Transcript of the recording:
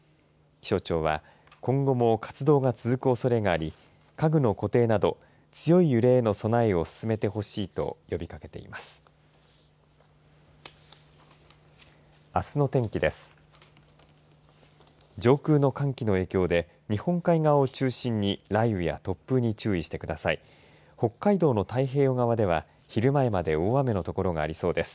気象庁は今後も活動が続くおそれがあり家具の固定など強い揺れへの備えを進めてほしいと呼びかけています。